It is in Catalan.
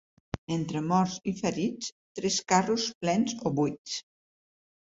Entre morts i ferits, tres carros plens o buits.